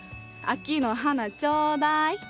秋の花ちょだい。